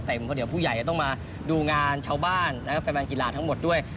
แต่เดี๋ยวผู้ใหญ่จะต้องมาดูงานชาวบ้านนะครับแฟนกีฬาทั้งหมดด้วย